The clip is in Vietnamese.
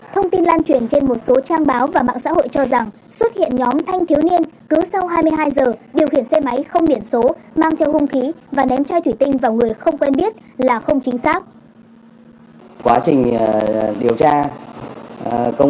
thông tin lan truyền trên một số trang báo và mạng xã hội cho rằng xuất hiện nhóm thanh thiếu niên cứ sau hai mươi hai giờ điều khiển xe máy không biển số mang theo hung khí và ném chai thủy tinh vào người không quen biết là không chính xác